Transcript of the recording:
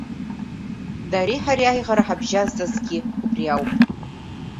Дареи ҳареи аиӷара ҳабжьазҵазгьы убри ауп.